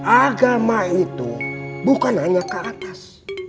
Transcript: agama itu bukan hanya ke atas